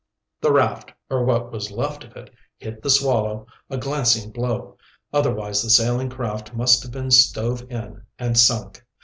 The raft, or rather what was left of it, hit the Swallow a glancing blow, otherwise the sailing craft must have been stove in and sunk.